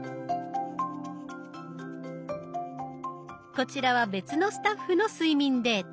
こちらは別のスタッフの睡眠データ。